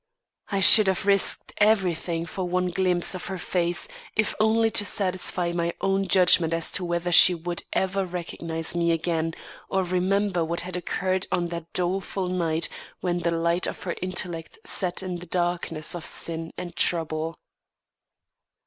I should have risked everything for one glimpse of her face, if only to satisfy my own judgment as to whether she would ever recognise me again, or remember what had occurred on that doleful night when the light of her intellect set in the darkness of sin and trouble.